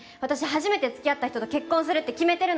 初めてつきあった人と結婚するって決めてるので！